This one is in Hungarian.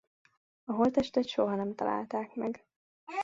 A holttestet soha nem találták meg.